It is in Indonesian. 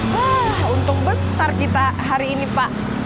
wah untung besar kita hari ini pak